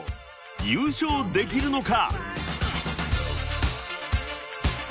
優勝できるのか？］